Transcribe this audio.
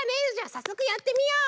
さっそくやってみよう。